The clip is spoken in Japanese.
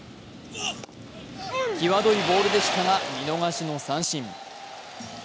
際どいボールでしたが見逃しの三振。